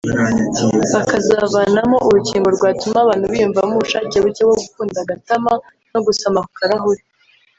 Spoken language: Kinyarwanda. bakazavanamo urukingo rwatuma abantu biyumvamo ubushake buke bwo gukunda agatama no gusoma ku karahuri